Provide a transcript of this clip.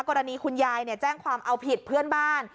กรณีครุ่นยายเนี่ยแจ้งความเอาผิดเพื่อนบ้าน